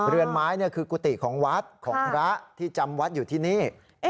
เรือนไม้คือกุฏิของวัดของพระที่จำวัดอยู่ที่นี่